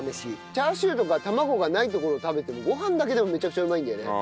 チャーシューとか卵がないところを食べてもご飯だけでもめちゃくちゃうまいんだよね。